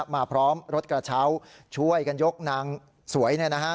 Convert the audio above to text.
พร้อมรถกระเช้าช่วยกันยกนางสวย